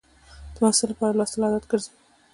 د محصل لپاره لوستل عادت ګرځي.